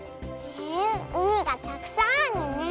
へえうみがたくさんあるね。